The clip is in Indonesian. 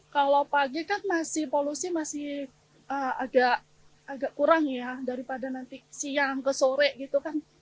kalau pagi kan masih polusi masih agak kurang ya daripada nanti siang ke sore gitu kan